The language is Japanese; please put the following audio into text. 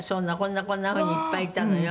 「こんなふうにいっぱいいたのよ」